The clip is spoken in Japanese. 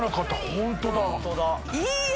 ホントだ。